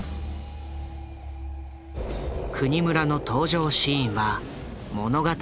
國村の登場シーンは物語